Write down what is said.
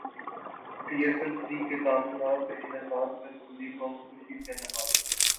پی S L three کے کامیاب انعقاد پر پوری قوم خوشی سے نہال